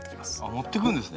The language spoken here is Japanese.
持ってくるんですね。